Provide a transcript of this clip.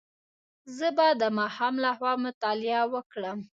زه به د ماښام له خوا مطالعه وکړم.